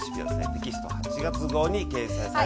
テキスト８月号に掲載されています！